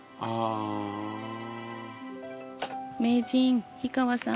名人氷川さん。